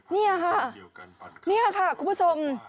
นี่ค่ะนี่ค่ะคุณผู้ชม